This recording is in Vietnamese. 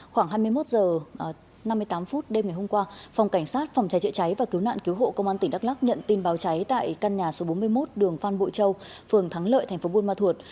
khoảng hai mươi một h năm mươi tám phút đêm ngày hôm qua phòng cảnh sát phòng trái trị trái và cứu nạn cứu hộ công an tỉnh đắk lắc nhận tin báo trái tại căn nhà số bốn mươi một đường phan bội châu phường thắng lợi tp buôn ma thuột